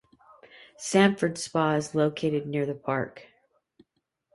Sandefjord Spa is located near the park.